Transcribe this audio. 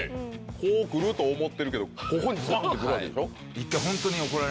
こう来ると思ってるけどここにズバンって来るわけでしょ？